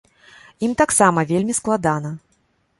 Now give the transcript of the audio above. Ім таксама вельмі складана.